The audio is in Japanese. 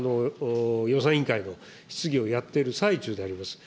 今、衆参で予算委員会の質疑をやっている最中であります。